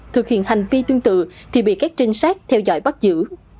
thực hiện hành vi tương tự thì bị các trinh sát theo dõi bắt giữ